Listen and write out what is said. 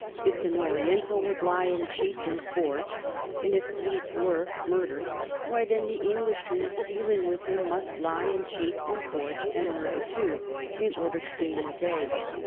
If an Oriental would lie and cheat and forge and, if needs were, murder, why then the Englishman dealing with him must lie and cheat and forge and murder too, in order to gain the day.